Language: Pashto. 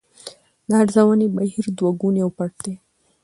د ارزونې بهیر دوه ګونی او پټ دی.